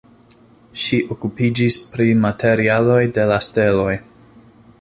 Ŝi okupiĝis pri materialoj de la steloj.